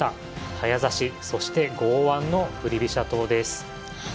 早指しそして剛腕の振り飛車党です。